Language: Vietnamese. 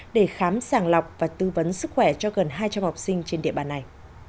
để khám sàng lọc và tư vấn sức khỏe cho gần hai trăm linh học sinh trên địa bàn này